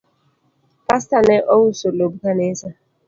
Pastor ne ouso lob kanisa